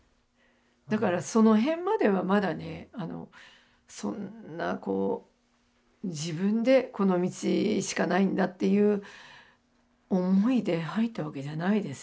だからその辺まではまだねそんなこう自分でこの道しかないんだっていう思いで入ったわけじゃないですね。